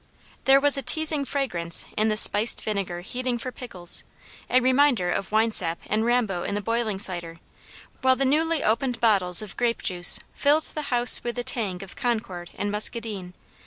There was a teasing fragrance in the spiced vinegar heating for pickles, a reminder of winesap and rambo in the boiling cider, while the newly opened bottles of grape juice filled the house with the tang of Concord and muscadine.